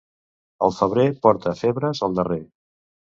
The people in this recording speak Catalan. El febrer porta febres al darrer.